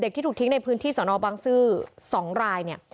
เด็กที่ถูกทิ้งในพื้นที่สนอบบางซื่อสองรายเนี่ย